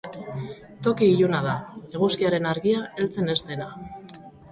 Toki iluna da, eguzkiaren argia heltzen ez dena.